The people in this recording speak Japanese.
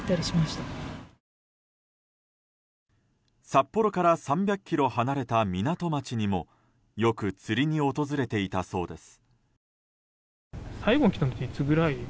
札幌から３００ｋｍ離れた港町にもよく釣りに訪れていたそうです。